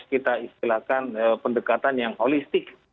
kita istilahkan pendekatan yang holistik